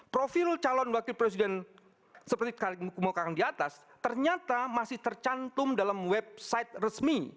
profil calon wakil presiden seperti kali kemukakan di atas ternyata masih tercantum dalam website resmi